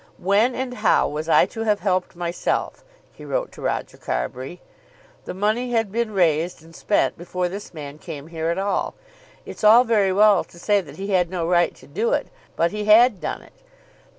"When and how was I to have helped myself?" he wrote to Roger Carbury. "The money had been raised and spent before this man came here at all. It's all very well to say that he had no right to do it; but he had done it.